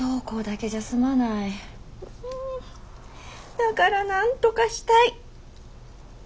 だからなんとかしたい。